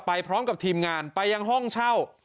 พร้อมกับทีมงานไปยังห้องเช่า